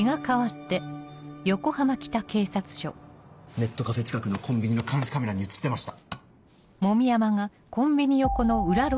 ネットカフェ近くのコンビニの監視カメラに写ってました。